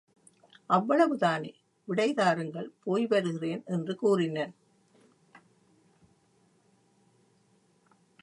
அவ்வளவு தானே, விடை தாருங்கள், போய்வருகிறேன் என்று கூறினன்.